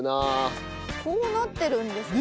こうなってるんですよね？